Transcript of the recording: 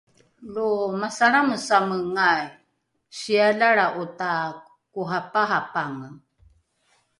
lo masalramesamengai sialalra’o takoraparapange